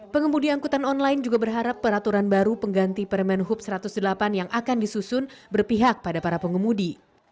pengemudi angkutan online juga berharap peraturan baru pengganti permen hub satu ratus delapan yang akan disusun berpihak pada para pengemudi